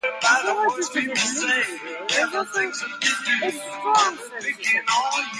Besides its efficient industry, there also is a strong services sector.